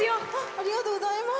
ありがとうございます。